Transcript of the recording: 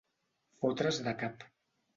Fotre's de cap.